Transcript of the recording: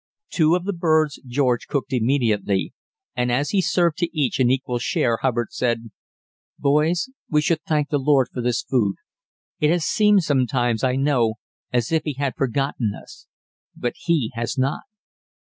Two of the birds George cooked immediately, and as he served to each an equal share, Hubbard said: "Boys, we should thank the Lord for this food. It has seemed sometimes, I know, as if He had forgotten us; but He has not.